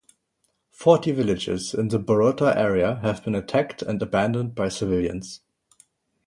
Forty villages in the Borota area have been attacked and abandoned by civilians.